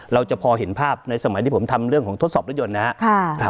เราจะพอเห็นภาพในสมัยที่ผมทำเรื่องของทดสอบรถยนต์นะครับ